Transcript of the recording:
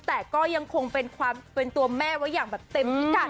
แต่ก็ยังคงเป็นความเป็นตัวแม่ไว้อย่างเต็มที่กัน